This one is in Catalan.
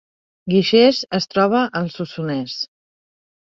Guixers es troba al Solsonès